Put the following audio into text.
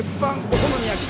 お好み焼き？